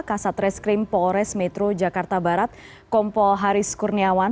kasat reskrim polres metro jakarta barat kompol haris kurniawan